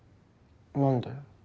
何で？